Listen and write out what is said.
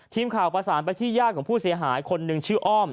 ทีมข่าวประสานไปที่ญาติของผู้เสียหายคนหนึ่งชื่ออ้อม